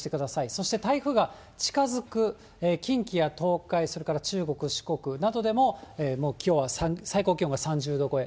そして、台風が近づく近畿や東海、それから中国、四国などでも、もうきょうは最高気温が３０度超え。